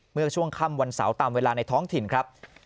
เมื่อช่วงค่ำวันเสาร์ตามเวลาในท้องถิ่นครับ